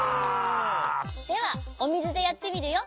ではおみずでやってみるよ。